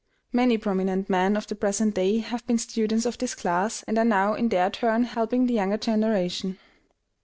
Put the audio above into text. Many prominent men of the present day have been students of this class, and are now in their turn helping the younger generation.